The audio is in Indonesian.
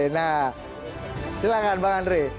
nah silahkan bang andre